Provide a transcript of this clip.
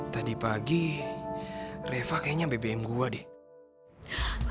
tadi pagi reva kayaknya bbm gua deh